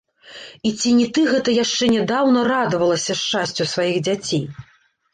І ці не ты гэта яшчэ нядаўна радавалася шчасцю сваіх дзяцей?